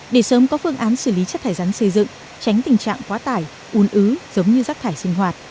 để sớm có phương án xử lý chất thải rắn xây dựng tránh tình trạng quá tải un ứ giống như rác thải sinh hoạt